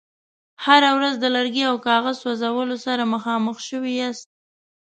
هره ورځ د لرګي او کاغذ سوځولو سره مخامخ شوي یاست.